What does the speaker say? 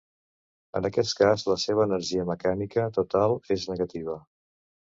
En aquest cas la seva energia mecànica total és negativa.